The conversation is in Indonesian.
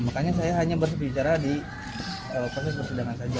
makanya saya hanya berbicara di proses persidangan saja